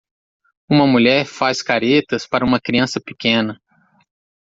Uma mulher faz caretas para uma criança pequena.